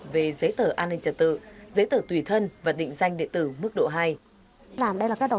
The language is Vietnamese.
về giấy tờ an ninh trật tự giấy tử tùy thân và định danh địa tử mức độ hai